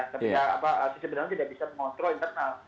tapi sucipto danu tidak bisa mengontrol internal